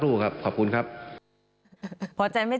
ดูหน้าคิดดูหน้ามี